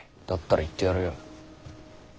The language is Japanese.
だったら言ってやるよ。